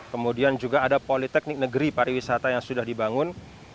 kemudian juga ada politeknik negeri pariwisata yang sudah dibangun